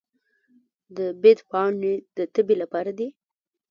د بید پاڼې د تبې لپاره دي.